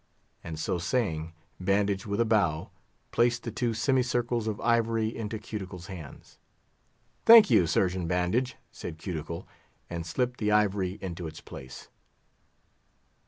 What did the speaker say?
And so saying, Bandage, with a bow, placed the two semicircles of ivory into Cuticle's hands. "Thank you, Surgeon Bandage," said Cuticle, and slipped the ivory into its place.